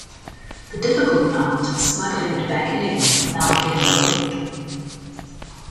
The difficult part is smuggling it back in again without getting caught.